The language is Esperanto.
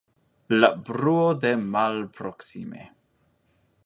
La bruo de malproksime.